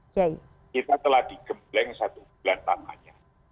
kita telah digembleng satu bulan lamanya